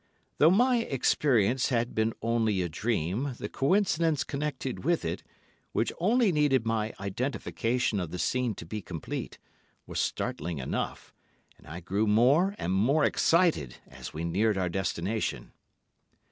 Though my experience had been only a dream, the coincidence connected with it, which only needed my identification of the scene to be complete, was startling enough, and I grew more and more excited as we neared our destination.